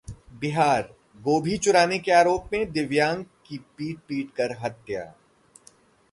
बिहारः गोभी चुराने के आरोप में दिव्यांग की पीट पीटकर हत्या